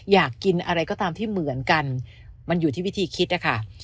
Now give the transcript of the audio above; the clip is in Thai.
อยากกินอะไรก็ตามที่เหมือนกันมันอยู่ที่วิธีคิดนะคะ